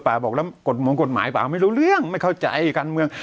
บอกแล้วกฎมงกฎหมายป่าไม่รู้เรื่องไม่เข้าใจการเมือง